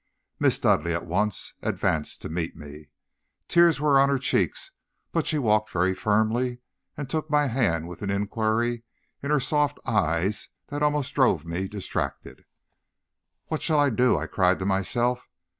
"Miss Dudleigh at once advanced to meet me. Tears were on her cheeks, but she walked very firmly, and took my hand with an inquiry in her soft eyes that almost drove me distracted. "'What shall I do?' I cried to myself.